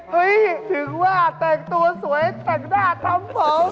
เฮ่ยถึงว่าแตกตัวสวยแต่งหน้าทำเหิง